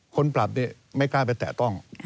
ปรับเนี่ยไม่กล้าไปแตะต้อง